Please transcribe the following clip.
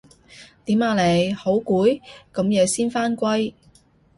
點啊你？好攰？咁夜先返歸